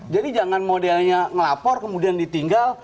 jadi jangan modelnya ngelapor kemudian ditinggal